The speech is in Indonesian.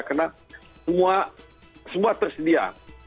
karena semua semua tersedia